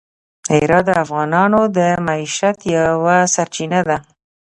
هرات د افغانانو د معیشت یوه سرچینه ده.